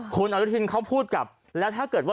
คุณอนุทินเขาพูดกลับแล้วถ้าเกิดว่า